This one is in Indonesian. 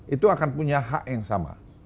itu akan punya hak yang sama